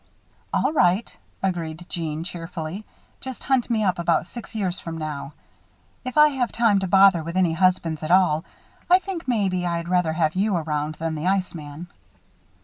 "All right," agreed Jeanne, cheerfully. "Just hunt me up about six years from now. If I have time to bother with any husbands at all, I think, maybe, I'd rather have you around than the iceman."